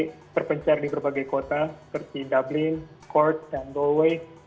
kita bisa melakukan pelajaran di berbagai kota seperti dublin court dan galway